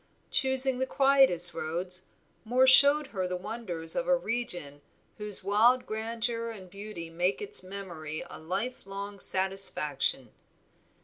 Choosing the quietest roads, Moor showed her the wonders of a region whose wild grandeur and beauty make its memory a life long satisfaction.